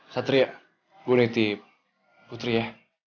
satri gue nitip putri ya